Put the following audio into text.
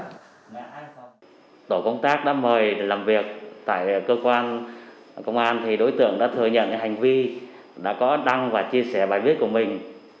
cơ quan công an thì đối tượng đã thừa nhận hành vi đã có đăng và chia sẻ bài viết của mình